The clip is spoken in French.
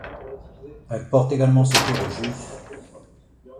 Elle porte également secours aux Juifs.